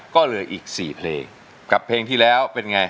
ก็เหลืออีก๔เพลงกับเพลงที่แล้วเป็นไง